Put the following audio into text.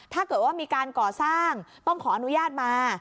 ถ้าเกิดว่ามีการก่อสร้างต้องขออนุญาตมา